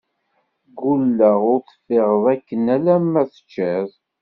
Ggulleɣ ur teffiɣeḍ akken alamma teččiḍ!